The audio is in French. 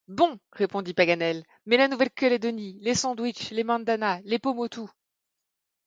Bon, répondit Paganel, mais la Nouvelle-Calédonie, les Sandwich, les Mendana, les Pomotou?